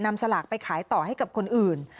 สลากไปขายต่อให้กับคนอื่น